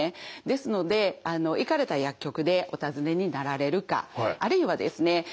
ですので行かれた薬局でお尋ねになられるかあるいはですね